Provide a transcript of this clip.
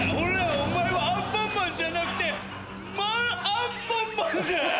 お前はアンパンマンじゃなくてマンアンパンマンだ！